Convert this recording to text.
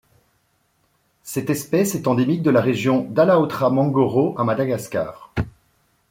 Cette espèce est endémique de la région d'Alaotra-Mangoro à Madagascar.